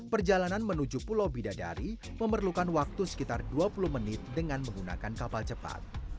perjalanan menuju pulau bidadari memerlukan waktu sekitar dua puluh menit dengan menggunakan kapal cepat